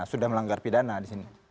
sudah melanggar pidana di sini